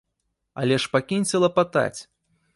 Але ж пакіньце лапатаць!